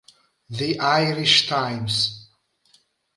The Irish Times.